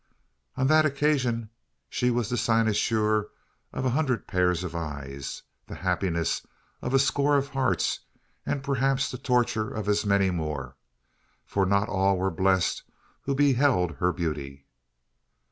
On that occasion was she the cynosure of a hundred pairs of eyes, the happiness of a score of hearts, and perhaps the torture of as many more: for not all were blessed who beheld her beauty.